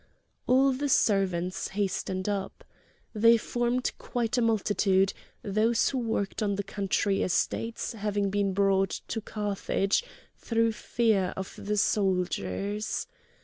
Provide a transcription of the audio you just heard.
All the servants hastened up. They formed quite a multitude, those who worked on the country estates having been brought to Carthage through fear of the soldiers.